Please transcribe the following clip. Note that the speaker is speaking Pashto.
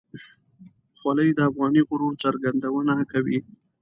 خولۍ د افغاني غرور څرګندونه کوي.